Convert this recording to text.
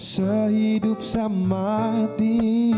sehidup sama hati